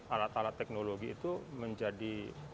alat alat teknologi itu menjadi